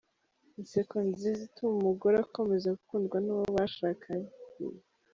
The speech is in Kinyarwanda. Inseko nziza ituma umugore akomeza gukundwa n’uwo bashakanye.